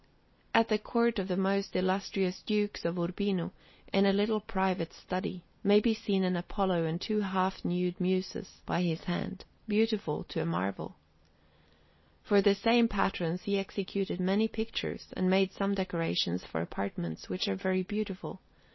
At the Court of the most illustrious Dukes of Urbino, in a little private study, may be seen an Apollo and two half nude Muses by his hand, beautiful to a marvel. For the same patrons he executed many pictures, and made some decorations for apartments, which are very beautiful.